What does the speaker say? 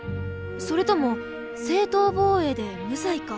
それとも正当防衛で無罪か。